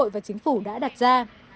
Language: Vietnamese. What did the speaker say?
và chính phủ đã đặt ra